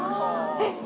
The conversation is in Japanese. えっ！